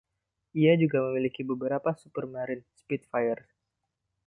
Ia juga memiliki beberapa Supermarine Spitfires.